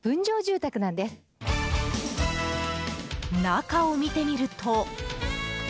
中を見てみると。